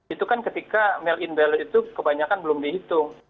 itu kan ketika mail in ballot itu kebanyakan belum dihitung